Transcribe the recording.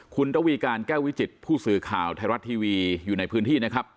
คุณระวีการแก้ววิจิตผู้สื่อข่าวไทยรัฐทีวีอยู่ในพื้นที่นะครับ